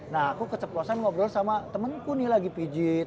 nah aku keceplosan ngobrol sama temenku nih lagi pijit